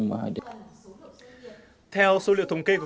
theo số liệu thống kê của cục thương mại điện tử